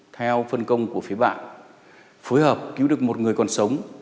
theo phân công của phía bạn phối hợp cứu được một người còn sống